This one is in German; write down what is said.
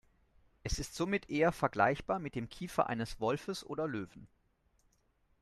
Es ist somit eher vergleichbar mit dem Kiefer eines Wolfes oder Löwen.